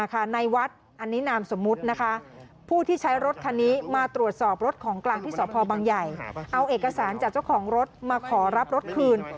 ก็ยังไม่มีเอกสารจากเจ้าของรถมาขอรับรถคืน